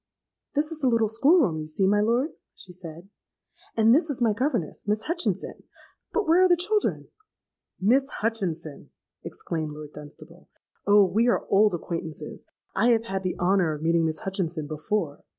'This is the little school room, you see, my lord,' she said; 'and this is my governess, Miss Hutchinson. But where are the children?'—'Miss Hutchinson!' exclaimed Lord Dunstable; 'Oh! we are old acquaintances: I have had the honour of meeting Miss Hutchinson before.